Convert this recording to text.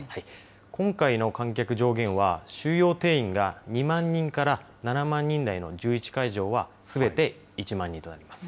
今回の観客上限は、収容定員が２万人から７万人台の１１会場は、すべて１万人となります。